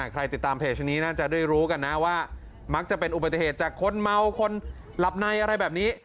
ใครติดตามเพจนี้น่าจะได้รู้กันนะว่ามักจะเป็นอุบัติเหตุจากคนเมาคนหลับในอะไรแบบนี้